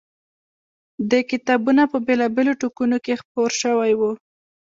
دې کتابونه په بېلا بېلو ټوکونوکې خپور شوی و.